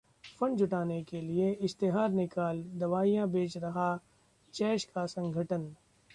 fund जुटाने के लिए इश्तेहार निकाल दवाइयां बेच रहा जैश का संगठन